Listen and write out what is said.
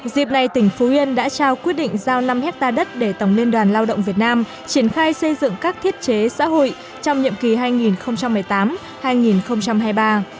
dịp này tỉnh phú yên đã trao quyết định giao năm hectare đất để tổng liên đoàn lao động việt nam triển khai xây dựng các thiết chế xã hội trong nhiệm kỳ hai nghìn một mươi tám hai nghìn hai mươi ba